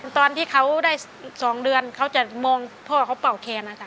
ตอนที่เขาได้๒เดือนเขาจะมองพ่อเขาเป่าแคนนะคะ